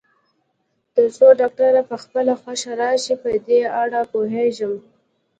تر څو ډاکټر په خپله خوښه راشي، په دې اړه پوهېږم.